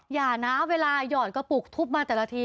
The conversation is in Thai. อย่านะเวลาหยอดกระปุกทุบมาแต่ละที